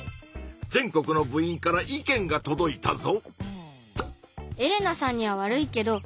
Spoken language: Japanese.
全国の部員から意見がとどいたぞ！